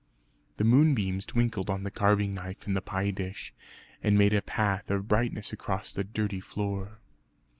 The moonbeams twinkled on the carving knife and the pie dish, and made a path of brightness across the dirty floor.